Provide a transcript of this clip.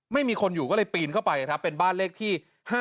ไม่มีคนอยู่ก็เลยปีนเข้าไปครับเป็นบ้านเลขที่๕๗